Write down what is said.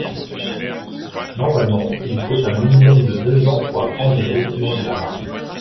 Normalement, il faut un minimum de deux ans pour apprendre les rudiments de l’arabe.